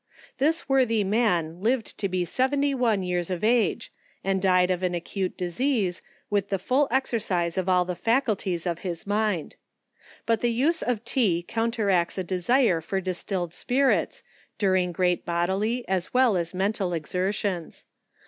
This worthy man lived to be seventy one years of age, and died of an acute disease, with the full exercise of all the faculties of his mind — But the use of tea counteracts a desire for distilled spir its, during great bodily, as well as mental exertions.